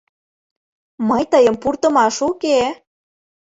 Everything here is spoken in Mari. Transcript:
Мый тыйым пуртымаш уке!